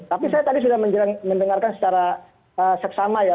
tapi saya tadi sudah mendengarkan secara seksama ya